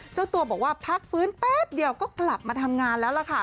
เจ้าตัวบอกว่าพักฟื้นแป๊บเดียวก็กลับมาทำงานแล้วล่ะค่ะ